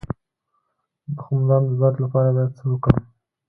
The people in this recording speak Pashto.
د تخمدان د درد لپاره باید څه وکړم؟